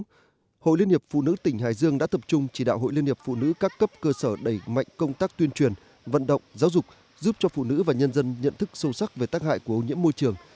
trong đó hội liên hiệp phụ nữ tỉnh hải dương đã tập trung chỉ đạo hội liên hiệp phụ nữ các cấp cơ sở đẩy mạnh công tác tuyên truyền vận động giáo dục giúp cho phụ nữ và nhân dân nhận thức sâu sắc về tác hại của ô nhiễm môi trường